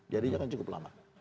jadi ini kan cukup lama